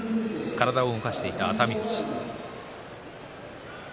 体を動かしていた熱海富士。